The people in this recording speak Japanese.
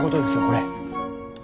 これ。